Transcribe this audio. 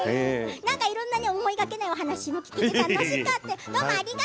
いろいろ思いがけないお話も聞けて楽しかった。